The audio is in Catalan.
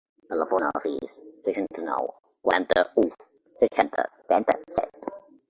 Telefona al sis, seixanta-nou, quaranta-u, seixanta, trenta-set.